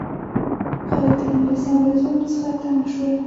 خلک د انګلیسانو له ظلم څخه تنګ شول.